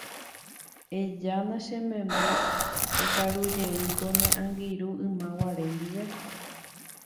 Ejána che memby ekarujey ko ne angirũ ymaguare ndive.